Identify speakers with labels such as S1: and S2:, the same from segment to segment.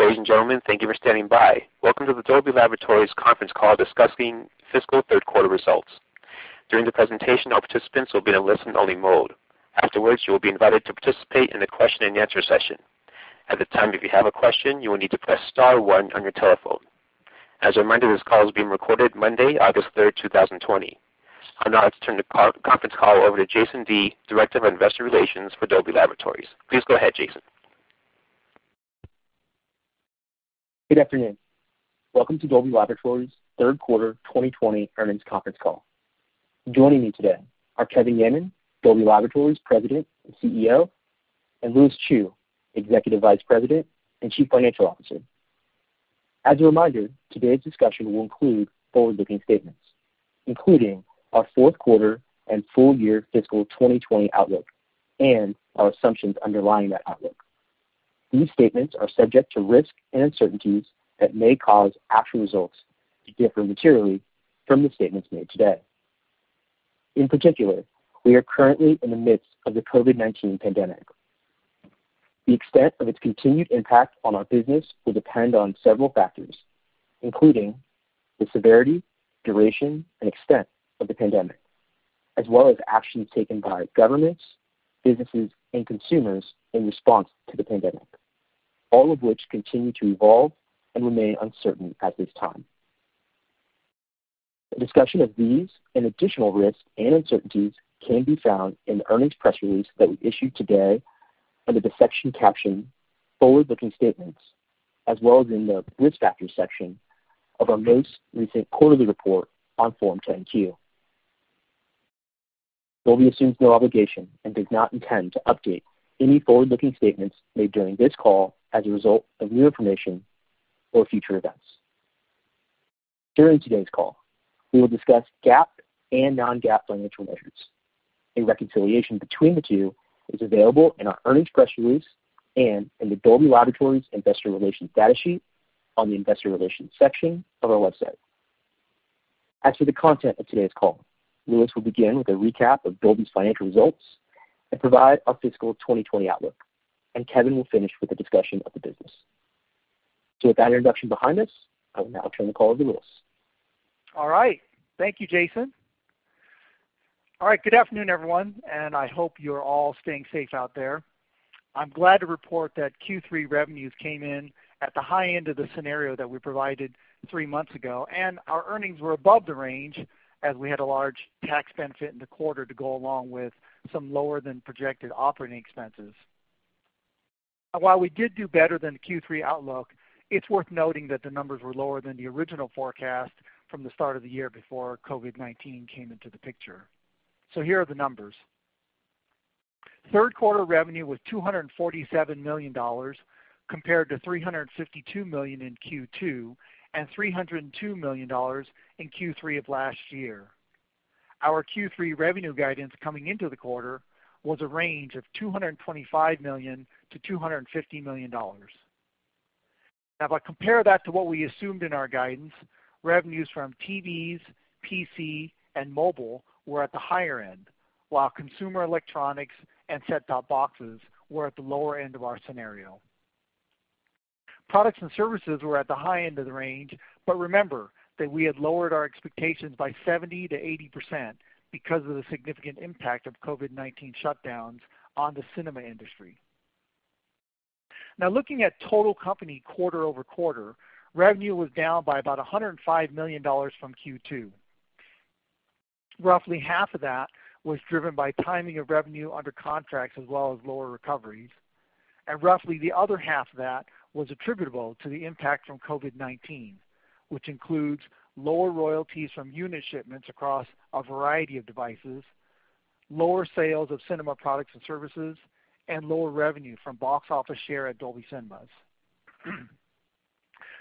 S1: Ladies and gentlemen, thank you for standing by. Welcome to the Dolby Laboratories Conference Call Discussing Fiscal Third Quarter Results. During the presentation, all participants will be in a listen-only mode. Afterwards, you will be invited to participate in the question-and-answer session. At that time, if you have a question, you will need to press star one on your telephone. As a reminder, this call is being recorded Monday, August 3rd, 2020. I'd now like to turn the conference call over to Jason Dea, Director of Investor Relations for Dolby Laboratories. Please go ahead, Jason.
S2: Good afternoon. Welcome to Dolby Laboratories' Third Quarter 2020 Earnings Conference Call. Joining me today are Kevin Yeaman, Dolby Laboratories President and CEO, and Lewis Chew, Executive Vice President and Chief Financial Officer. As a reminder, today's discussion will include forward-looking statements, including our fourth quarter and full year fiscal 2020 outlook and our assumptions underlying that outlook. These statements are subject to risks and uncertainties that may cause actual results to differ materially from the statements made today. In particular, we are currently in the midst of the COVID-19 pandemic. The extent of its continued impact on our business will depend on several factors, including the severity, duration, and extent of the pandemic, as well as actions taken by governments, businesses, and consumers in response to the pandemic, all of which continue to evolve and remain uncertain at this time. A discussion of these and additional risks and uncertainties can be found in the earnings press release that we issued today under the section captioned Forward-Looking Statements, as well as in the Risk Factors section of our most recent quarterly report on Form 10-Q. Dolby assumes no obligation and does not intend to update any forward-looking statements made during this call as a result of new information or future events. During today's call, we will discuss GAAP and non-GAAP financial measures. A reconciliation between the two is available in our earnings press release and in the Dolby Laboratories Investor Relations datasheet on the Investor Relations section of our website. As for the content of today's call, Lewis will begin with a recap of Dolby's financial results and provide our fiscal 2020 outlook, and Kevin will finish with a discussion of the business. With that introduction behind us, I will now turn the call over to Lewis.
S3: All right. Thank you, Jason. All right, good afternoon, everyone. I hope you're all staying safe out there. I'm glad to report that Q3 revenues came in at the high end of the scenario that we provided three months ago. Our earnings were above the range as we had a large tax benefit in the quarter to go along with some lower than projected operating expenses. While we did do better than the Q3 outlook, it's worth noting that the numbers were lower than the original forecast from the start of the year before COVID-19 came into the picture. Here are the numbers. Third quarter revenue was $247 million compared to $352 million in Q2 and $302 million in Q3 of last year. Our Q3 revenue guidance coming into the quarter was a range of $225 million-$250 million. If I compare that to what we assumed in our guidance, revenues from TVs, PC, and mobile were at the higher end, while consumer electronics and set-top boxes were at the lower end of our scenario. Products and services were at the high end of the range, remember that we had lowered our expectations by 70%-80% because of the significant impact of COVID-19 shutdowns on the cinema industry. Looking at total company quarter-over-quarter, revenue was down by about $105 million from Q2. Roughly half of that was driven by timing of revenue under contracts as well as lower recoveries. Roughly the other half of that was attributable to the impact from COVID-19, which includes lower royalties from unit shipments across a variety of devices, lower sales of cinema products and services, and lower revenue from box office share at Dolby Cinemas.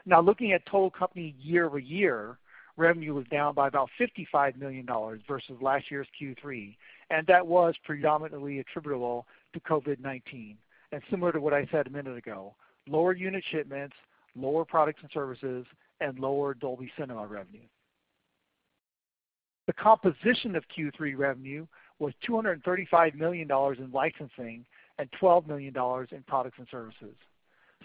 S3: Looking at total company year-over-year, revenue was down by about $55 million versus last year's Q3. That was predominantly attributable to COVID-19, and similar to what I said a minute ago, lower unit shipments, lower products and services, and lower Dolby Cinema revenue. The composition of Q3 revenue was $235 million in licensing and $12 million in products and services.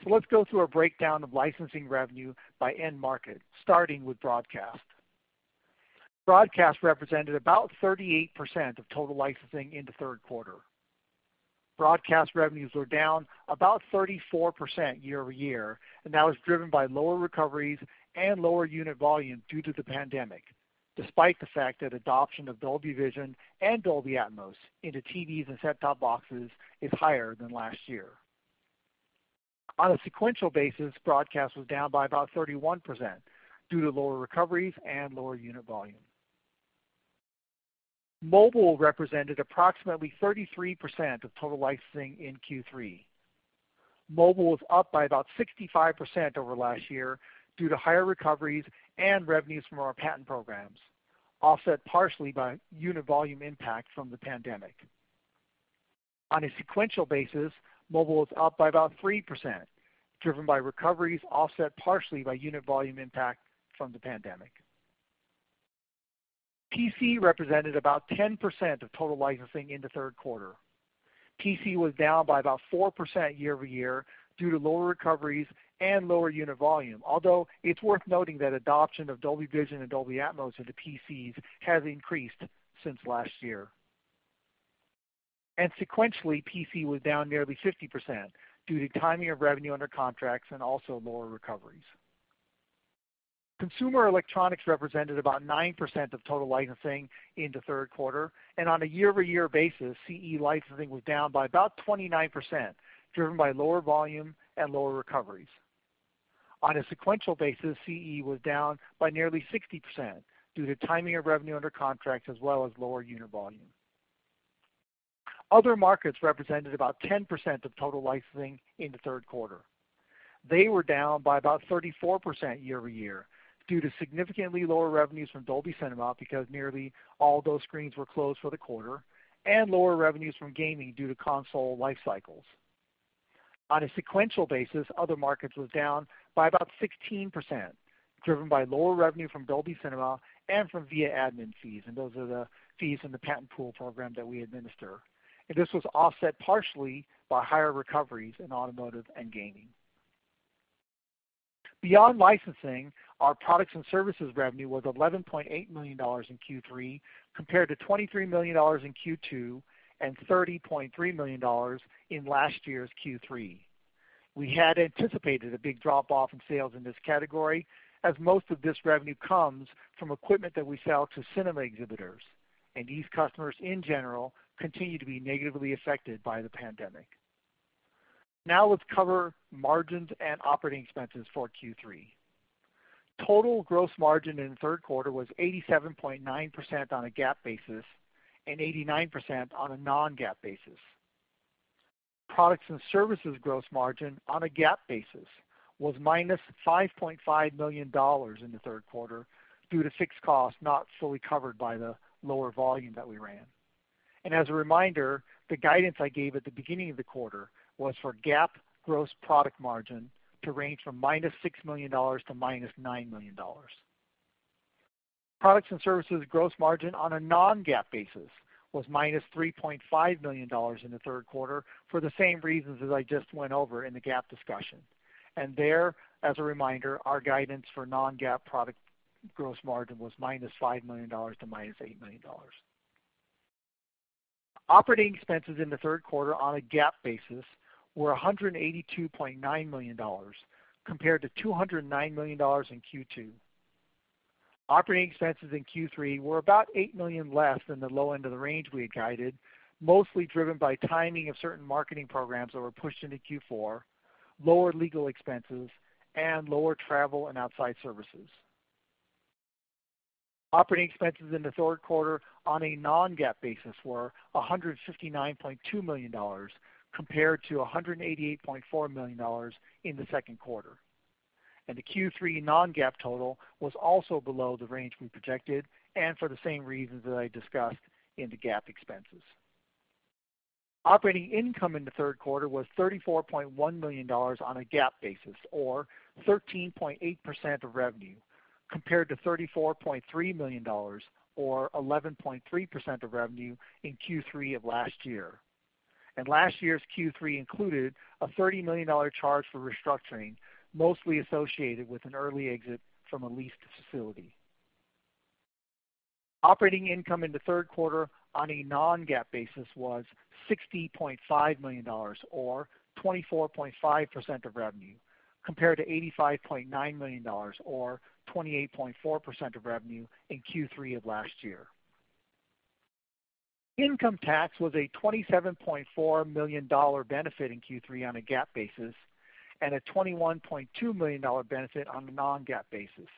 S3: Let's go through a breakdown of licensing revenue by end market, starting with broadcast. Broadcast represented about 38% of total licensing in the third quarter. Broadcast revenues were down about 34% year-over-year. That was driven by lower recoveries and lower unit volume due to the pandemic, despite the fact that adoption of Dolby Vision and Dolby Atmos into TVs and set-top boxes is higher than last year. On a sequential basis, broadcast was down by about 31% due to lower recoveries and lower unit volume. Mobile represented approximately 33% of total licensing in Q3. Mobile was up by about 65% over last year due to higher recoveries and revenues from our patent programs, offset partially by unit volume impact from the pandemic. On a sequential basis, mobile was up by about 3%, driven by recoveries offset partially by unit volume impact from the pandemic. PC represented about 10% of total licensing in the third quarter. PC was down by about 4% year-over-year due to lower recoveries and lower unit volume. Although it's worth noting that adoption of Dolby Vision and Dolby Atmos into PCs has increased since last year. Sequentially, PC was down nearly 50% due to timing of revenue under contracts and also lower recoveries. Consumer electronics represented about 9% of total licensing in the third quarter, and on a year-over-year basis, CE licensing was down by about 29%, driven by lower volume and lower recoveries. On a sequential basis, CE was down by nearly 60% due to timing of revenue under contracts as well as lower unit volume. Other markets represented about 10% of total licensing in the third quarter. They were down by about 34% year-over-year due to significantly lower revenues from Dolby Cinema because nearly all those screens were closed for the quarter, and lower revenues from gaming due to console life cycles. On a sequential basis, other markets was down by about 16%, driven by lower revenue from Dolby Cinema and from Via admin fees, and those are the fees in the patent pool program that we administer. This was offset partially by higher recoveries in automotive and gaming. Beyond licensing, our products and services revenue was $11.8 million in Q3, compared to $23 million in Q2 and $30.3 million in last year's Q3. We had anticipated a big drop-off in sales in this category as most of this revenue comes from equipment that we sell to cinema exhibitors, and these customers, in general, continue to be negatively affected by the pandemic. Let's cover margins and operating expenses for Q3. Total gross margin in the third quarter was 87.9% on a GAAP basis and 89% on a non-GAAP basis. Products and services gross margin on a GAAP basis was -$5.5 million in the third quarter due to fixed costs not fully covered by the lower volume that we ran. As a reminder, the guidance I gave at the beginning of the quarter was for GAAP gross product margin to range from -$6 million to -$9 million. Products and services gross margin on a non-GAAP basis was -$3.5 million in the third quarter for the same reasons as I just went over in the GAAP discussion. There, as a reminder, our guidance for non-GAAP product gross margin was -$5 million to -$8 million. Operating expenses in the third quarter on a GAAP basis were $182.9 million, compared to $209 million in Q2. Operating expenses in Q3 were about $8 million less than the low end of the range we had guided, mostly driven by timing of certain marketing programs that were pushed into Q4, lower legal expenses, and lower travel and outside services. Operating expenses in the third quarter on a non-GAAP basis were $159.2 million, compared to $188.4 million in the second quarter. The Q3 non-GAAP total was also below the range we projected and for the same reasons that I discussed in the GAAP expenses. Operating income in the third quarter was $34.1 million on a GAAP basis, or 13.8% of revenue, compared to $34.3 million, or 11.3% of revenue in Q3 of last year. Last year's Q3 included a $30 million charge for restructuring, mostly associated with an early exit from a leased facility. Operating income in the third quarter on a non-GAAP basis was $60.5 million, or 24.5% of revenue, compared to $85.9 million, or 28.4% of revenue in Q3 of last year. Income tax was a $27.4 million benefit in Q3 on a GAAP basis, and a $21.2 million benefit on a non-GAAP basis.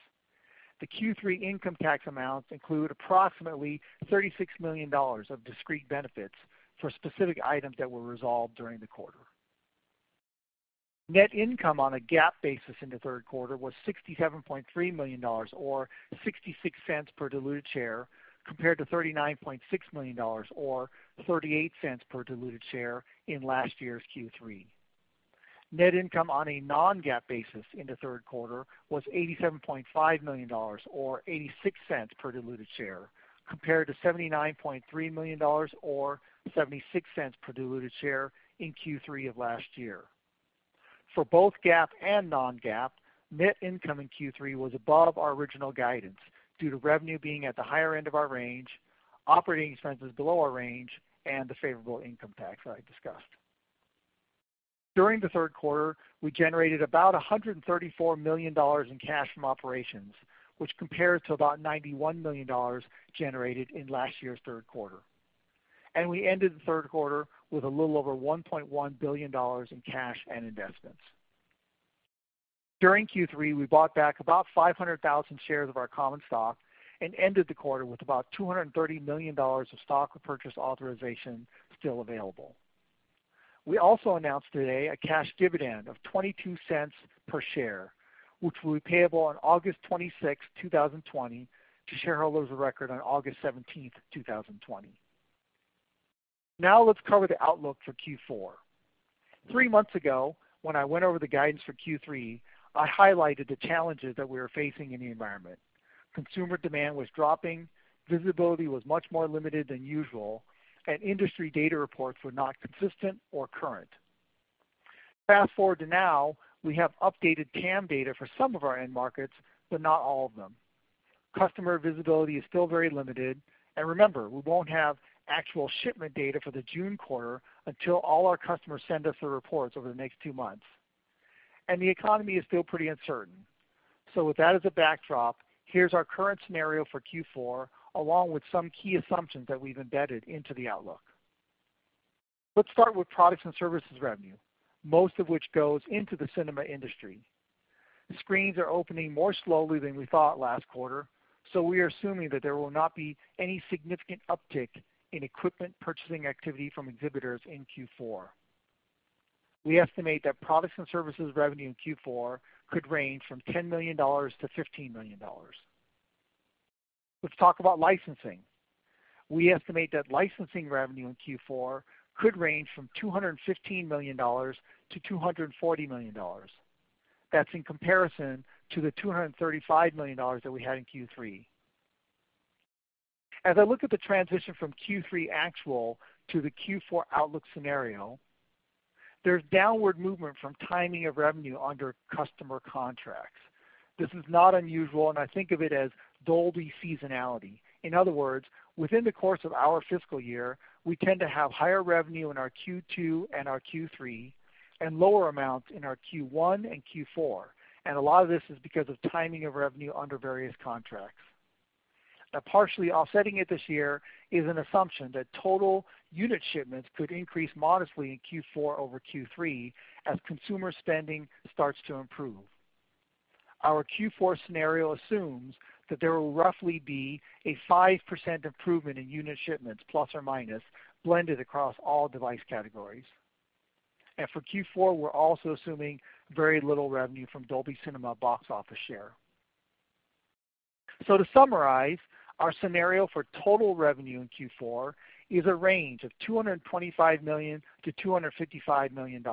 S3: The Q3 income tax amounts include approximately $36 million of discrete benefits for specific items that were resolved during the quarter. Net income on a GAAP basis in the third quarter was $67.3 million, or $0.66 per diluted share, compared to $39.6 million or $0.38 per diluted share in last year's Q3. Net income on a non-GAAP basis in the third quarter was $87.5 million or $0.86 per diluted share, compared to $79.3 million or $0.76 per diluted share in Q3 of last year. For both GAAP and non-GAAP, net income in Q3 was above our original guidance due to revenue being at the higher end of our range, operating expenses below our range, and the favorable income tax that I discussed. During the third quarter, we generated about $134 million in cash from operations, which compared to about $91 million generated in last year's third quarter. We ended the third quarter with a little over $1.1 billion in cash and investments. During Q3, we bought back about 500,000 shares of our common stock and ended the quarter with about $230 million of stock repurchase authorization still available. We also announced today a cash dividend of $0.22 per share, which will be payable on August 26, 2020, to shareholders of record on August 17th, 2020. Let's cover the outlook for Q4. Three months ago, when I went over the guidance for Q3, I highlighted the challenges that we were facing in the environment. Consumer demand was dropping, visibility was much more limited than usual, and industry data reports were not consistent or current. Fast-forward to now, we have updated TAM data for some of our end markets, but not all of them. Customer visibility is still very limited, and remember, we won't have actual shipment data for the June quarter until all our customers send us their reports over the next two months. The economy is still pretty uncertain. With that as a backdrop, here's our current scenario for Q4, along with some key assumptions that we've embedded into the outlook. Let's start with products and services revenue, most of which goes into the cinema industry. Screens are opening more slowly than we thought last quarter, so we are assuming that there will not be any significant uptick in equipment purchasing activity from exhibitors in Q4. We estimate that products and services revenue in Q4 could range from $10 million-$15 million. Let's talk about licensing. We estimate that licensing revenue in Q4 could range from $215 million-$240 million. That's in comparison to the $235 million that we had in Q3. As I look at the transition from Q3 actual to the Q4 outlook scenario, there's downward movement from timing of revenue under customer contracts. This is not unusual, and I think of it as Dolby seasonality. In other words, within the course of our fiscal year, we tend to have higher revenue in our Q2 and our Q3, and lower amounts in our Q1 and Q4. A lot of this is because of timing of revenue under various contracts. Now, partially offsetting it this year is an assumption that total unit shipments could increase modestly in Q4 over Q3 as consumer spending starts to improve. Our Q4 scenario assumes that there will roughly be a 5% improvement in unit shipments, plus or minus, blended across all device categories. For Q4, we're also assuming very little revenue from Dolby Cinema box office share. To summarize, our scenario for total revenue in Q4 is a range of $225 million-$255 million.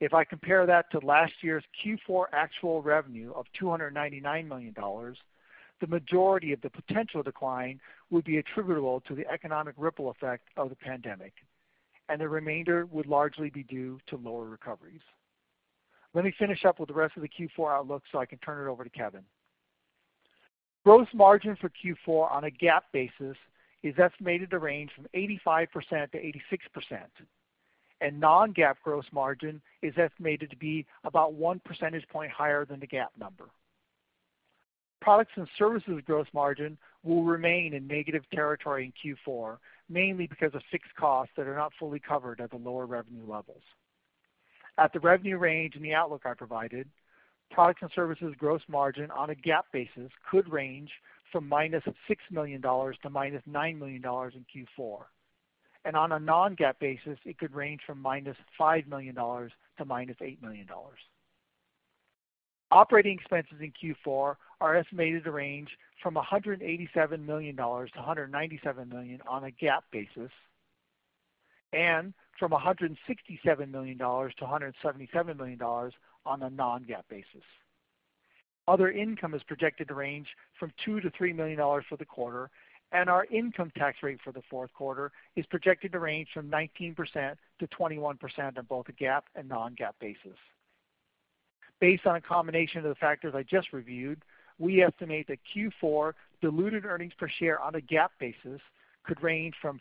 S3: If I compare that to last year's Q4 actual revenue of $299 million, the majority of the potential decline would be attributable to the economic ripple effect of the pandemic, and the remainder would largely be due to lower recoveries. Let me finish up with the rest of the Q4 outlook so I can turn it over to Kevin. Gross margin for Q4 on a GAAP basis is estimated to range from 85%-86%, and non-GAAP gross margin is estimated to be about one percentage point higher than the GAAP number. Products and services gross margin will remain in negative territory in Q4, mainly because of fixed costs that are not fully covered at the lower revenue levels. At the revenue range in the outlook I provided, products and services gross margin on a GAAP basis could range from -$6 million to -$9 million in Q4. On a non-GAAP basis, it could range from -$5 million to - $8 million. Operating expenses in Q4 are estimated to range from $187 million-$197 million on a GAAP basis, and from $167 million-$177 million on a non-GAAP basis. Other income is projected to range from $2 million-$3 million for the quarter, and our income tax rate for the fourth quarter is projected to range from 19%-21% on both a GAAP and non-GAAP basis. Based on a combination of the factors I just reviewed, we estimate that Q4 diluted earnings per share on a GAAP basis could range from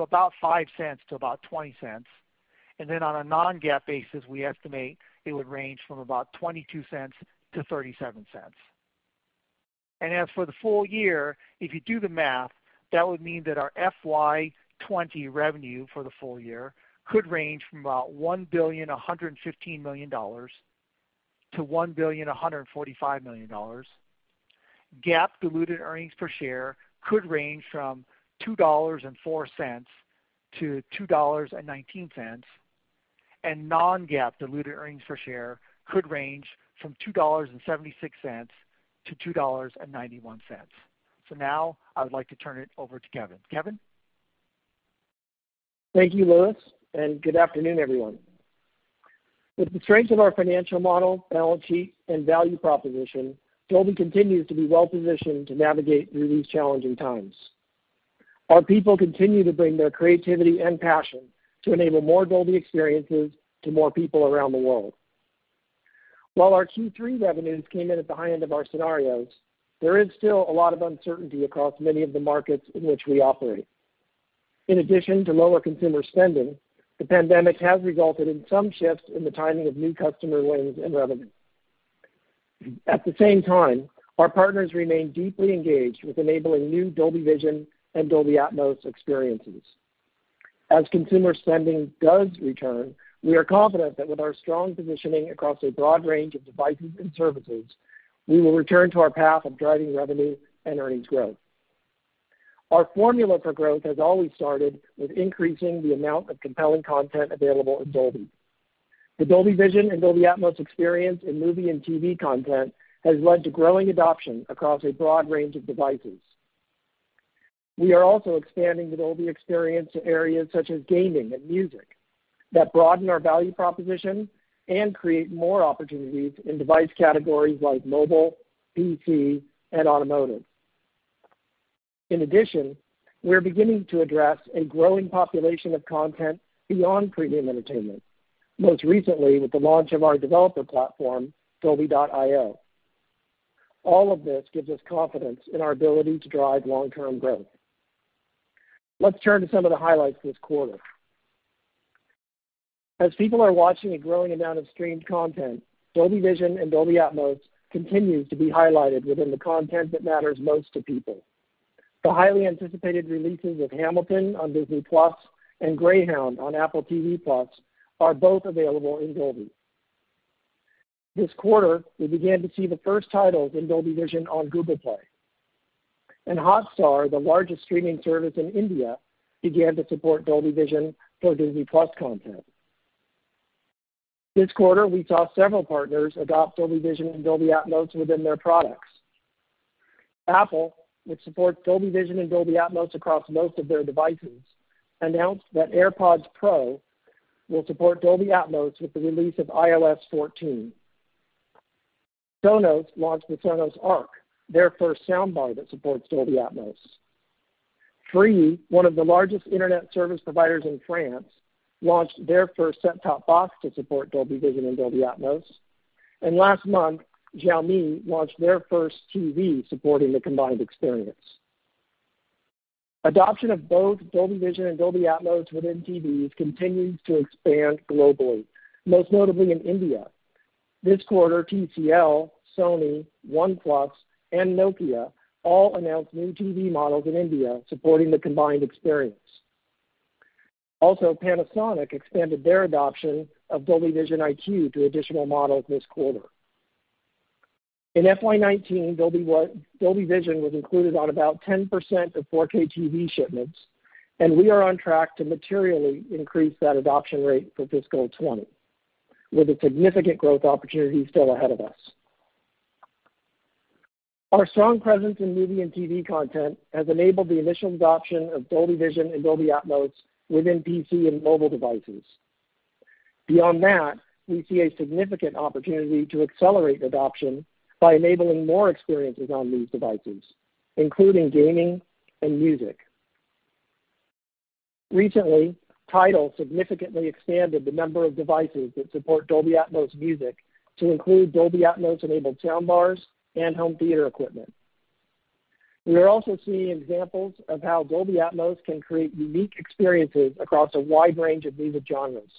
S3: about $0.05 to about $0.20, and then on a non-GAAP basis, we estimate it would range from about $0.22-$0.37. As for the full year, if you do the math, that would mean that our FY 2020 revenue for the full year could range from about $1.115 billion-$1.145 billion. GAAP diluted earnings per share could range from $2.04-$2.19, and non-GAAP diluted earnings per share could range from $2.76-$2.91. Now I would like to turn it over to Kevin. Kevin?
S4: Thank you, Lewis, and good afternoon, everyone. With the strength of our financial model, balance sheet, and value proposition, Dolby continues to be well-positioned to navigate through these challenging times. Our people continue to bring their creativity and passion to enable more Dolby experiences to more people around the world. While our Q3 revenues came in at the high end of our scenarios, there is still a lot of uncertainty across many of the markets in which we operate. In addition to lower consumer spending, the pandemic has resulted in some shifts in the timing of new customer wins and revenue. At the same time, our partners remain deeply engaged with enabling new Dolby Vision and Dolby Atmos experiences. As consumer spending does return, we are confident that with our strong positioning across a broad range of devices and services, we will return to our path of driving revenue and earnings growth. Our formula for growth has always started with increasing the amount of compelling content available in Dolby. The Dolby Vision and Dolby Atmos experience in movie and TV content has led to growing adoption across a broad range of devices. We are also expanding the Dolby experience to areas such as gaming and music that broaden our value proposition and create more opportunities in device categories like mobile, PC, and automotive. In addition, we are beginning to address a growing population of content beyond premium entertainment, most recently with the launch of our developer platform, Dolby.io. All of this gives us confidence in our ability to drive long-term growth. Let's turn to some of the highlights this quarter. As people are watching a growing amount of streamed content, Dolby Vision and Dolby Atmos continue to be highlighted within the content that matters most to people. The highly anticipated releases of Hamilton on Disney+ and Greyhound on Apple TV+ are both available in Dolby. This quarter, we began to see the first titles in Dolby Vision on Google Play. Hotstar, the largest streaming service in India, began to support Dolby Vision for Disney+ content. This quarter, we saw several partners adopt Dolby Vision and Dolby Atmos within their products. Apple, which supports Dolby Vision and Dolby Atmos across most of their devices, announced that AirPods Pro will support Dolby Atmos with the release of iOS 14. Sonos launched the Sonos Arc, their first soundbar that supports Dolby Atmos. Free, one of the largest internet service providers in France, launched their first set-top box to support Dolby Vision and Dolby Atmos. Last month, Xiaomi launched their first TV supporting the combined experience. Adoption of both Dolby Vision and Dolby Atmos within TVs continues to expand globally, most notably in India. This quarter, TCL, Sony, OnePlus, and Nokia all announced new TV models in India supporting the combined experience. Also, Panasonic expanded their adoption of Dolby Vision IQ to additional models this quarter. In FY 2019, Dolby Vision was included on about 10% of 4K TV shipments, and we are on track to materially increase that adoption rate for fiscal 2020, with a significant growth opportunity still ahead of us. Our strong presence in movie and TV content has enabled the initial adoption of Dolby Vision and Dolby Atmos within PC and mobile devices. Beyond that, we see a significant opportunity to accelerate adoption by enabling more experiences on these devices, including gaming and music. Recently, Tidal significantly expanded the number of devices that support Dolby Atmos Music to include Dolby Atmos-enabled soundbars and home theater equipment. We are also seeing examples of how Dolby Atmos can create unique experiences across a wide range of music genres.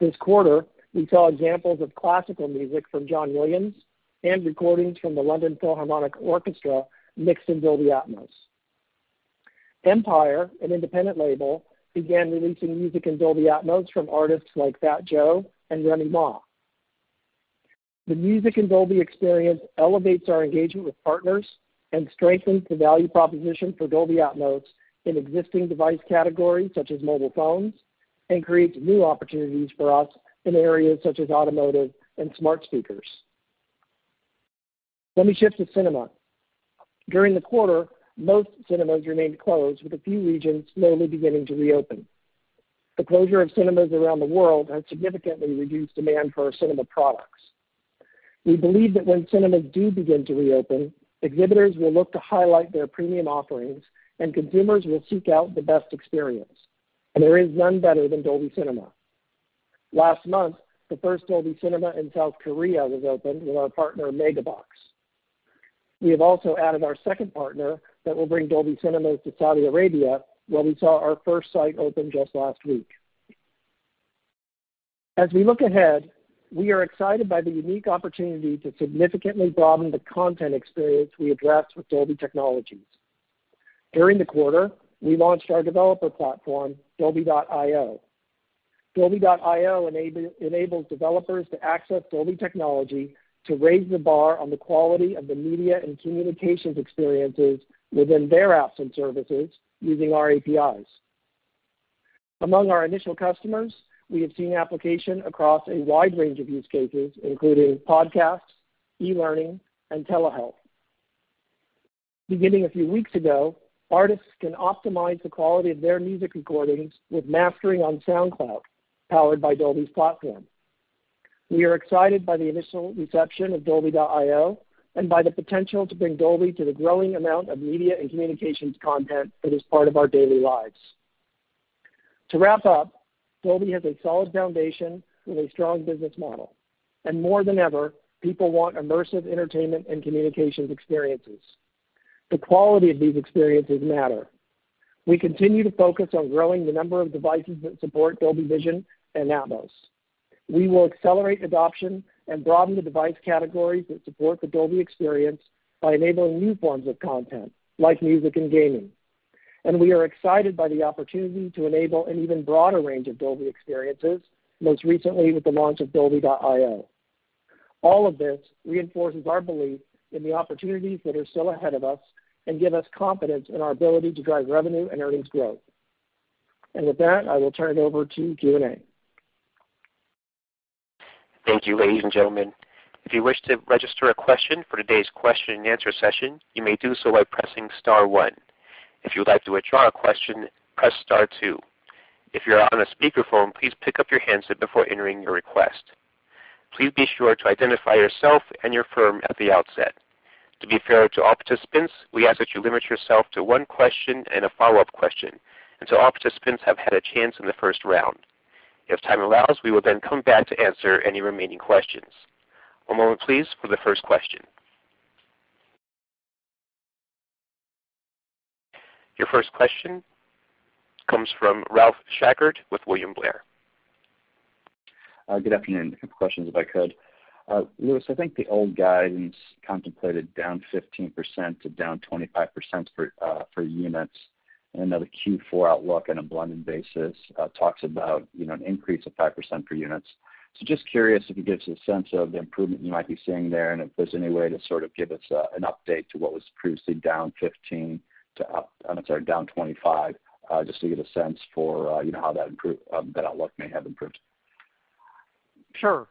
S4: This quarter, we saw examples of classical music from John Williams and recordings from the London Philharmonic Orchestra mixed in Dolby Atmos. EMPIRE, an independent label, began releasing music in Dolby Atmos from artists like Fat Joe and Remy Ma. The music in Dolby experience elevates our engagement with partners and strengthens the value proposition for Dolby Atmos in existing device categories such as mobile phones and creates new opportunities for us in areas such as automotive and smart speakers. Let me shift to cinema. During the quarter, most cinemas remained closed, with a few regions slowly beginning to reopen. The closure of cinemas around the world has significantly reduced demand for our cinema products. We believe that when cinemas do begin to reopen, exhibitors will look to highlight their premium offerings, and consumers will seek out the best experience. There is none better than Dolby Cinema. Last month, the first Dolby Cinema in South Korea was opened with our partner Megabox. We have also added our second partner that will bring Dolby Cinema to Saudi Arabia, where we saw our first site open just last week. As we look ahead, we are excited by the unique opportunity to significantly broaden the content experience we address with Dolby technologies. During the quarter, we launched our developer platform, Dolby.io. Dolby.io enables developers to access Dolby technology to raise the bar on the quality of the media and communications experiences within their apps and services using our APIs. Among our initial customers, we have seen application across a wide range of use cases, including podcasts, e-learning, and telehealth. Beginning a few weeks ago, artists can optimize the quality of their music recordings with mastering on SoundCloud, powered by Dolby's platform. We are excited by the initial reception of Dolby.io and by the potential to bring Dolby to the growing amount of media and communications content that is part of our daily lives. To wrap up, Dolby has a solid foundation with a strong business model. More than ever, people want immersive entertainment and communications experiences. The quality of these experiences matter. We continue to focus on growing the number of devices that support Dolby Vision and Atmos. We will accelerate adoption and broaden the device categories that support the Dolby experience by enabling new forms of content like music and gaming. We are excited by the opportunity to enable an even broader range of Dolby experiences, most recently with the launch of Dolby.io. All of this reinforces our belief in the opportunities that are still ahead of us and give us confidence in our ability to drive revenue and earnings growth. With that, I will turn it over to Q&A.
S1: Thank you. Ladies and gentlemen, if you wish to register a question for today's question and answer session, you may do so by pressing star one. If you would like to withdraw a question, press star two. If you're on a speakerphone, please pick up your handset before entering your request. Please be sure to identify yourself and your firm at the outset. To be fair to all participants, we ask that you limit yourself to one question and a follow-up question until all participants have had a chance in the first round. If time allows, we will then come back to answer any remaining questions. One moment please for the first question. Your first question comes from Ralph Schackart with William Blair.
S5: Good afternoon. A couple questions if I could. Lewis, I think the old guidance contemplated down 15% to down 25% for units. Another Q4 outlook on a blended basis, talks about an increase of 5% for units. Just curious if you could give us a sense of the improvement you might be seeing there, and if there's any way to sort of give us an update to what was previously down 15% to up, I'm sorry, down 25%, just to get a sense for how that outlook may have improved.
S3: Sure.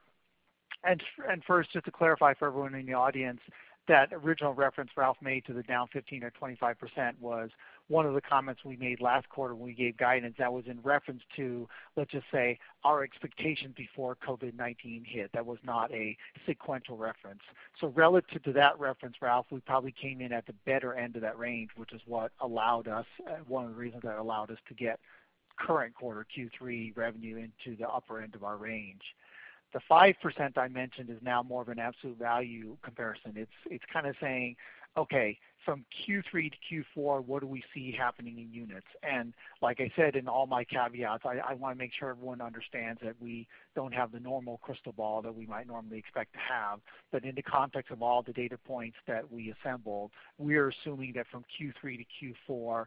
S3: First, just to clarify for everyone in the audience, that original reference Ralph made to the down 15% or 25% was one of the comments we made last quarter when we gave guidance. That was in reference to, let's just say, our expectations before COVID-19 hit. That was not a sequential reference. Relative to that reference, Ralph, we probably came in at the better end of that range, which is one of the reasons that allowed us to get current quarter Q3 revenue into the upper end of our range. The 5% I mentioned is now more of an absolute value comparison. It's kind of saying, okay, from Q3 to Q4, what do we see happening in units? Like I said, in all my caveats, I want to make sure everyone understands that we don't have the normal crystal ball that we might normally expect to have. In the context of all the data points that we assembled, we are assuming that from Q3 to Q4,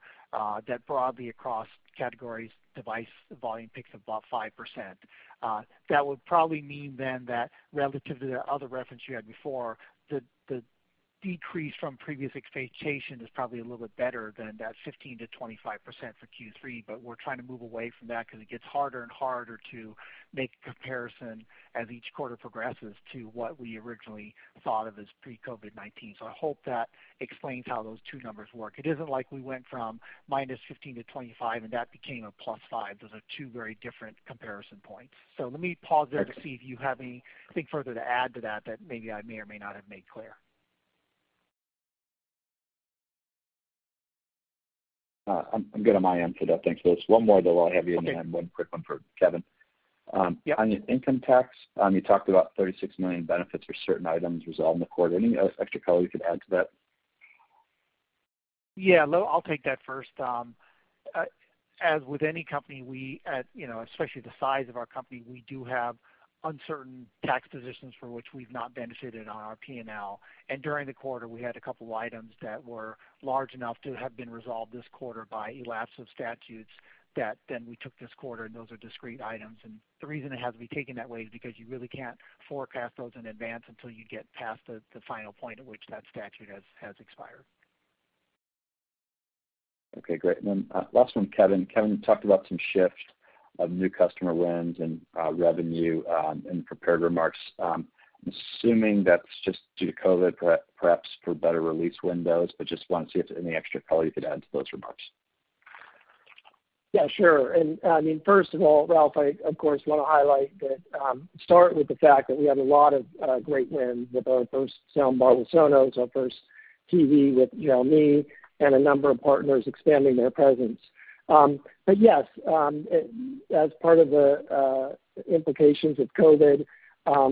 S3: that broadly across categories, device volume picks up about 5%. That would probably mean then that relative to the other reference you had before, the decrease from previous expectation is probably a little bit better than that 15%-25% for Q3. We're trying to move away from that because it gets harder and harder to make a comparison as each quarter progresses to what we originally thought of as pre-COVID-19. I hope that explains how those two numbers work. It isn't like we went from -15% to 25% and that became a +5%. Those are two very different comparison points. Let me pause there to see if you have anything further to add to that maybe I may or may not have made clear.
S5: No, I'm good on my end for that. Thanks, Lewis. One more though while I have you.
S3: Okay
S5: One quick one for Kevin.
S3: Yeah.
S5: On your income tax, you talked about $36 million benefits for certain items resolved in the quarter. Any extra color you could add to that?
S3: Yeah, I'll take that first. As with any company, especially the size of our company, we do have uncertain tax positions for which we've not benefited on our P&L. During the quarter, we had a couple items that were large enough to have been resolved this quarter by elapse of statutes that then we took this quarter, and those are discrete items. The reason it has to be taken that way is because you really can't forecast those in advance until you get past the final point at which that statute has expired.
S5: Okay, great. Last one, Kevin. Kevin, you talked about some shifts of new customer wins and revenue in prepared remarks. I'm assuming that's just due to COVID, perhaps for better release windows. Just want to see if there's any extra color you could add to those remarks.
S4: Yeah, sure. First of all, Ralph, I, of course, want to highlight that, start with the fact that we have a lot of great wins with our first sound bar with Sonos, our first TV with Xiaomi, and a number of partners expanding their presence. Yes, as part of the implications of COVID,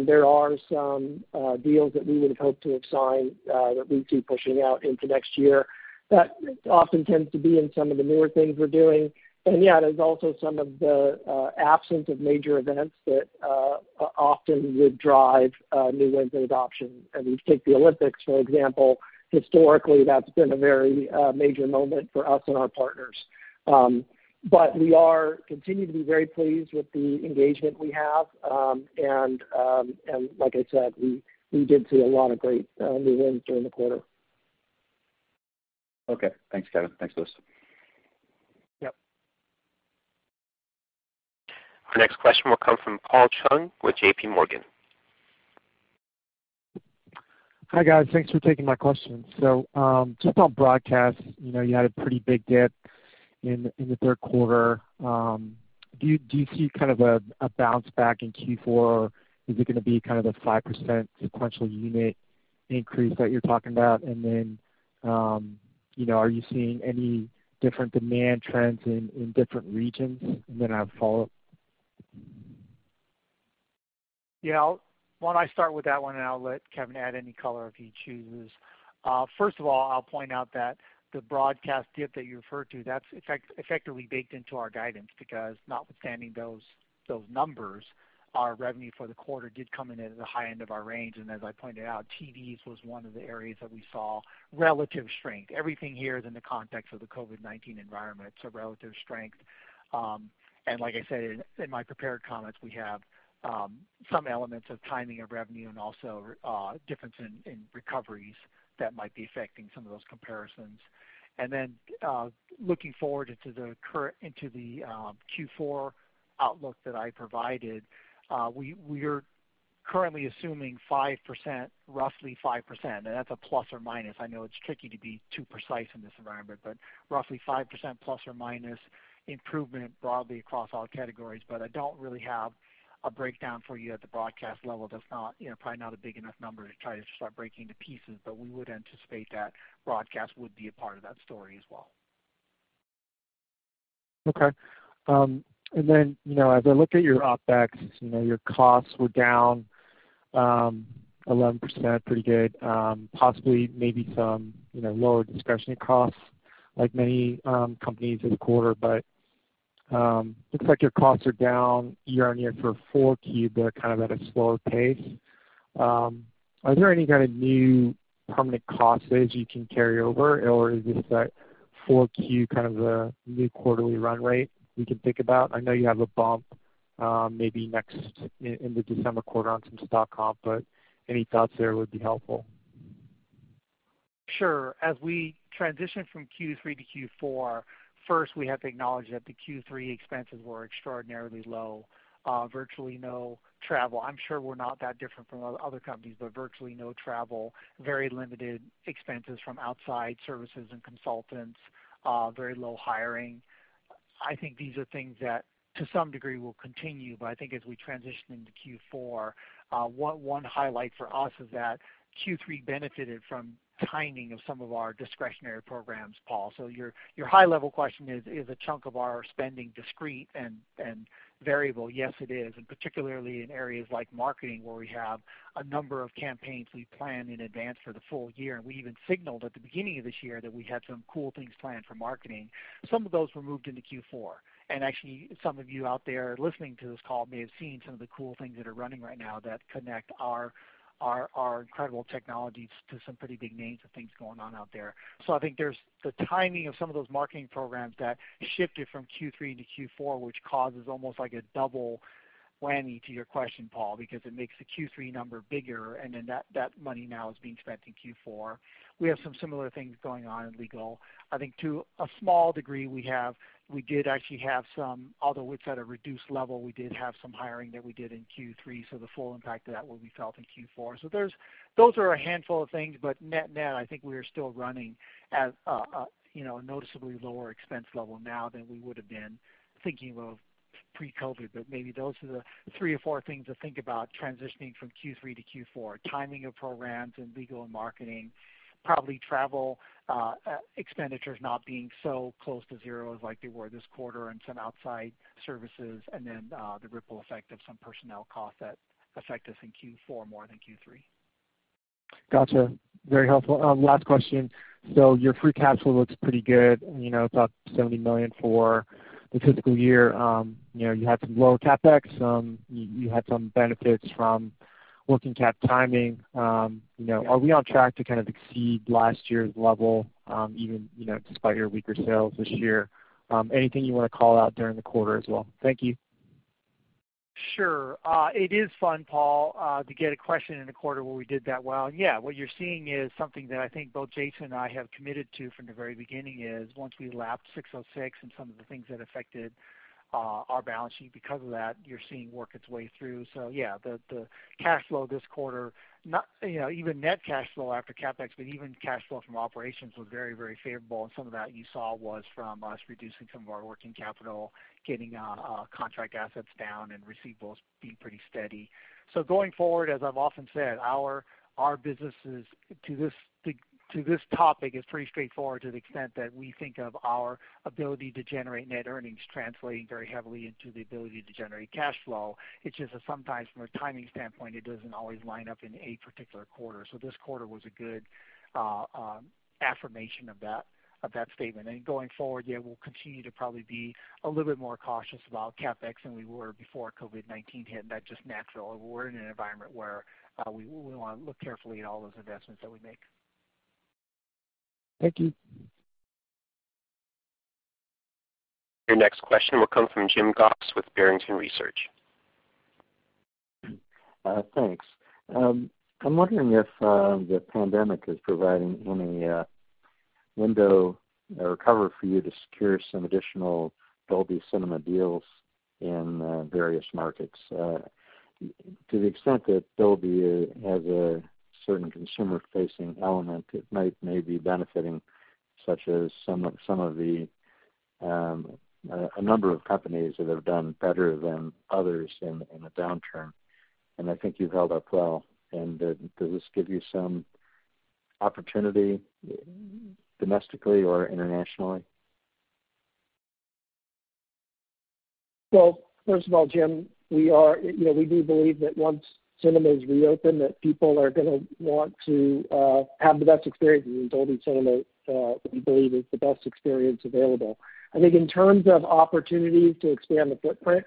S4: there are some deals that we would have hoped to have signed that we see pushing out into next year. That often tends to be in some of the newer things we're doing. Yeah, there's also some of the absence of major events that often would drive new wins and adoption. If you take the Olympics, for example, historically, that's been a very major moment for us and our partners. We are continuing to be very pleased with the engagement we have. Like I said, we did see a lot of great new wins during the quarter.
S5: Okay. Thanks, Kevin. Thanks, Lewis.
S3: Yep.
S1: Our next question will come from Paul Chung with JPMorgan.
S6: Hi, guys. Thanks for taking my questions. Just on broadcast, you had a pretty big dip in the third quarter. Do you see kind of a bounce back in Q4? Is it going to be kind of a 5% sequential unit increase that you're talking about? Are you seeing any different demand trends in different regions? I have a follow-up.
S3: Yeah. Why don't I start with that one, and I'll let Kevin add any color if he chooses. First of all, I'll point out that the broadcast dip that you referred to, that's effectively baked into our guidance because notwithstanding those numbers, our revenue for the quarter did come in at the high end of our range. As I pointed out, TVs was one of the areas that we saw relative strength. Everything here is in the context of the COVID-19 environment, so relative strength. Like I said in my prepared comments, we have some elements of timing of revenue and also difference in recoveries that might be affecting some of those comparisons. Looking forward into the Q4 outlook that I provided, we are currently assuming 5%, roughly 5%, and that's a plus or minus. I know it's tricky to be too precise in this environment, roughly 5% plus or minus improvement broadly across all categories. I don't really have a breakdown for you at the broadcast level. That's probably not a big enough number to try to start breaking into pieces. We would anticipate that broadcast would be a part of that story as well.
S6: Okay. As I look at your OpEx, your costs were down 11%, pretty good. Possibly maybe some lower discretionary costs like many companies this quarter. Looks like your costs are down year-on-year for 4Q, but kind of at a slower pace. Is there any kind of new permanent costage you can carry over, or is this that 4Q kind of the new quarterly run rate we can think about? I know you have a bump, maybe in the December quarter on some stock comp, but any thoughts there would be helpful.
S3: Sure. As we transition from Q3 to Q4, first we have to acknowledge that the Q3 expenses were extraordinarily low. Virtually no travel. I'm sure we're not that different from other companies, but virtually no travel, very limited expenses from outside services and consultants, very low hiring. I think these are things that, to some degree, will continue. I think as we transition into Q4, one highlight for us is that Q3 benefited from timing of some of our discretionary programs, Paul. Your high level question is a chunk of our spending discrete and variable? Yes, it is. Particularly in areas like marketing, where we have a number of campaigns we plan in advance for the full year, and we even signaled at the beginning of this year that we had some cool things planned for marketing. Some of those were moved into Q4. Actually, some of you out there listening to this call may have seen some of the cool things that are running right now that connect our incredible technologies to some pretty big names of things going on out there. I think there's the timing of some of those marketing programs that shifted from Q3 into Q4, which causes almost like a double whammy to your question, Paul, because it makes the Q3 number bigger, and then that money now is being spent in Q4. We have some similar things going on in legal. I think to a small degree, we did actually have some, although it's at a reduced level, we did have some hiring that we did in Q3, so the full impact of that will be felt in Q4. Those are a handful of things, but net net, I think we are still running at a noticeably lower expense level now than we would've been thinking of pre-COVID. Maybe those are the three or four things to think about transitioning from Q3 to Q4. Timing of programs in legal and marketing, probably travel expenditures not being so close to zero as like they were this quarter, and some outside services, and then the ripple effect of some personnel costs that affect us in Q4 more than Q3.
S6: Got you. Very helpful. Last question. Your free cash flow looks pretty good. It's up $70 million for the fiscal year. You had some lower CapEx. You had some benefits from working cap timing. Are we on track to kind of exceed last year's level, even despite your weaker sales this year? Anything you want to call out during the quarter as well? Thank you.
S3: Sure. It is fun, Paul, to get a question in a quarter where we did that well. Yeah, what you're seeing is something that I think both Jason and I have committed to from the very beginning, is once we lapped 606 and some of the things that affected our balance sheet because of that, you're seeing work its way through. Yeah, the cash flow this quarter, even net cash flow after CapEx, but even cash flow from operations was very, very favorable, and some of that you saw was from us reducing some of our working capital, getting contract assets down, and receivables being pretty steady. Going forward, as I've often said, our businesses to this topic is pretty straightforward to the extent that we think of our ability to generate net earnings translating very heavily into the ability to generate cash flow. It's just that sometimes from a timing standpoint, it doesn't always line up in a particular quarter. This quarter was a good affirmation of that statement. Going forward, yeah, we'll continue to probably be a little bit more cautious about CapEx than we were before COVID-19 hit, and that's just natural. We're in an environment where we want to look carefully at all those investments that we make.
S6: Thank you.
S1: Your next question will come from Jim Goss with Barrington Research.
S7: Thanks. I'm wondering if the pandemic is providing any window or cover for you to secure some additional Dolby Cinema deals in various markets. To the extent that Dolby has a certain consumer-facing element, it may be benefiting, such as a number of companies that have done better than others in a downturn, and I think you've held up well. Does this give you some opportunity domestically or internationally?
S4: First of all, Jim, we do believe that once cinemas reopen, that people are going to want to have the best experience, and Dolby Cinema, we believe, is the best experience available. I think in terms of opportunities to expand the footprint,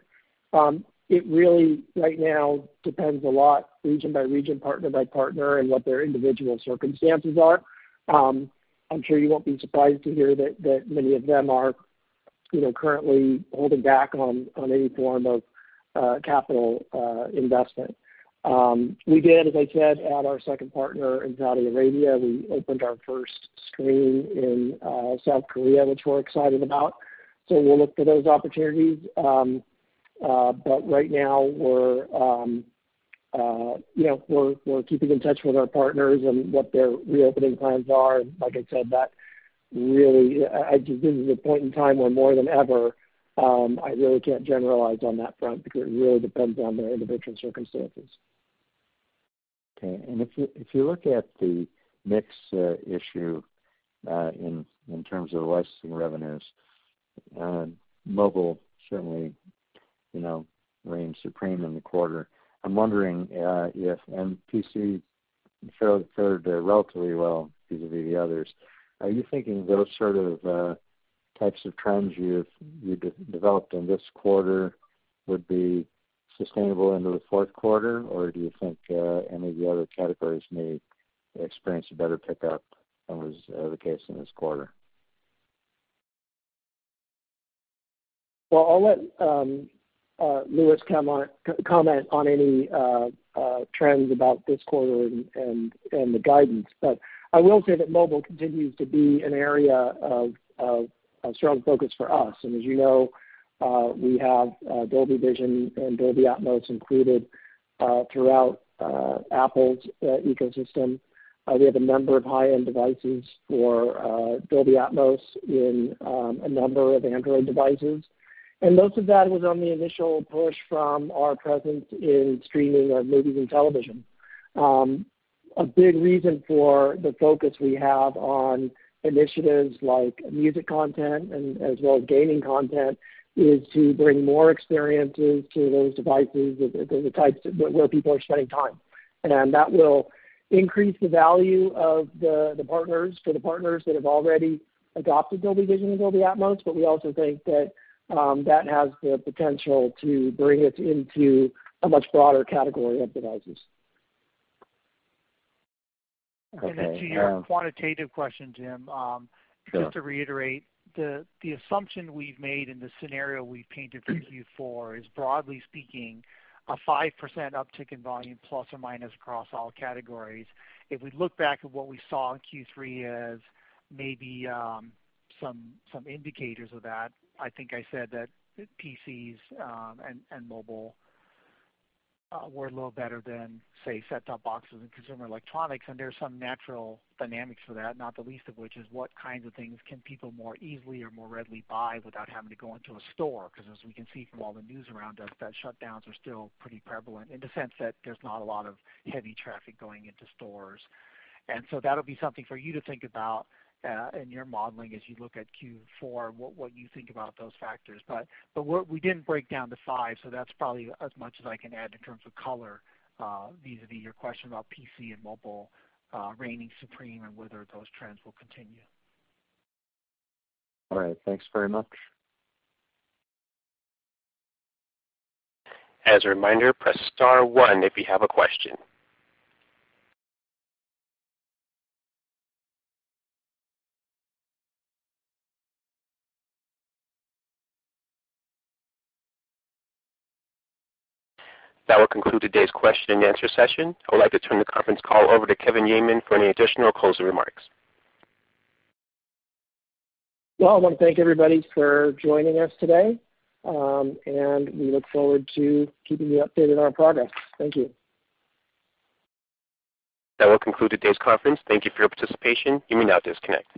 S4: it really right now depends a lot region by region, partner by partner, and what their individual circumstances are. I'm sure you won't be surprised to hear that many of them are currently holding back on any form of capital investment. We did, as I said, add our second partner in Saudi Arabia. We opened our first screen in South Korea, which we're excited about. We'll look for those opportunities. Right now we're keeping in touch with our partners and what their reopening plans are. Like I said, this is a point in time where, more than ever, I really can't generalize on that front because it really depends on their individual circumstances.
S7: Okay. If you look at the mix issue in terms of licensing revenues, mobile certainly reigned supreme in the quarter. PC fared relatively well vis-a-vis the others. Are you thinking those types of trends you've developed in this quarter would be sustainable into the fourth quarter, or do you think any of the other categories may experience a better pickup than was the case in this quarter?
S4: Well, I'll let Lewis comment on any trends about this quarter and the guidance. I will say that mobile continues to be an area of strong focus for us. As you know, we have Dolby Vision and Dolby Atmos included throughout Apple's ecosystem. We have a number of high-end devices for Dolby Atmos in a number of Android devices. Most of that was on the initial push from our presence in streaming of movies and television. A big reason for the focus we have on initiatives like music content as well as gaming content is to bring more experiences to those devices, the types where people are spending time. That will increase the value for the partners that have already adopted Dolby Vision and Dolby Atmos. We also think that that has the potential to bring us into a much broader category of devices.
S7: Okay.
S3: Then to your quantitative question, Jim.
S7: Sure
S3: Just to reiterate, the assumption we've made and the scenario we've painted for Q4 is, broadly speaking, a 5% uptick in volume, plus or minus, across all categories. If we look back at what we saw in Q3 as maybe some indicators of that, I think I said that PCs and mobile were a little better than, say, set-top boxes and consumer electronics. There's some natural dynamics for that, not the least of which is what kinds of things can people more easily or more readily buy without having to go into a store. Because as we can see from all the news around us, that shutdowns are still pretty prevalent in the sense that there's not a lot of heavy traffic going into stores. That'll be something for you to think about in your modeling as you look at Q4, what you think about those factors. We didn't break down the five, that's probably as much as I can add in terms of color vis-a-vis your question about PC and mobile reigning supreme and whether those trends will continue.
S7: All right. Thanks very much.
S1: As a reminder, press star one if you have a question. That will conclude today's question and answer session. I would like to turn the conference call over to Kevin Yeaman for any additional closing remarks.
S4: Well, I want to thank everybody for joining us today, and we look forward to keeping you updated on our progress. Thank you.
S1: That will conclude today's conference. Thank you for your participation. You may now disconnect.